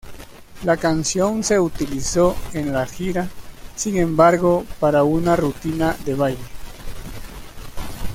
La canción se utilizó en la gira, sin embargo, para una rutina de baile.